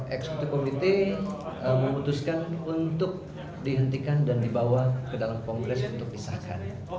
eksekutif komite memutuskan untuk dihentikan dan dibawa ke dalam kongres untuk disahkan